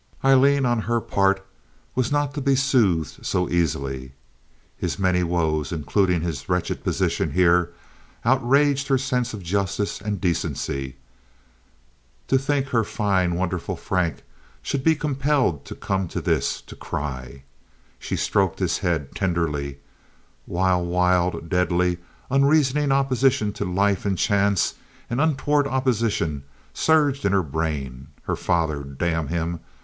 Aileen on her part was not to be soothed so easily. His many woes, including his wretched position here, outraged her sense of justice and decency. To think her fine, wonderful Frank should be compelled to come to this—to cry. She stroked his head, tenderly, while wild, deadly, unreasoning opposition to life and chance and untoward opposition surged in her brain. Her father—damn him!